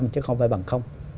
ba mươi chứ không phải bằng